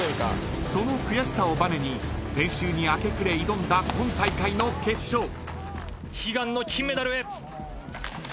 その悔しさをバネに練習に明け暮れ挑んだ今大会の決勝。